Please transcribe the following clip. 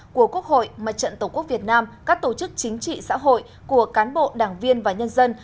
của quốc hội mặt trận tổ quốc việt nam các tổ chức chính trị xã hội của cán bộ đảng viên và nhân dân